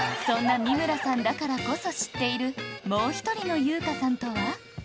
そんな三村さんだからこそ知っているもうひとりの優香さんとは？